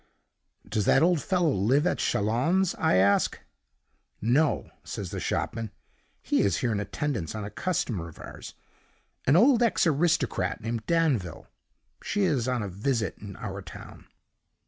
"'Does that old fellow live at Chalons?' I ask. "'No,' says the shopman. 'He is here in attendance on a customer of ours an old ex aristocrat named Danville. She is on a visit in our town.